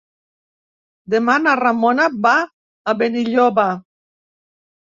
Demà na Ramona va a Benilloba.